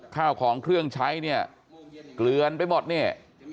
ข้าวของเครื่องใช้เนี่ยเกลือนไปหมดเนี่ย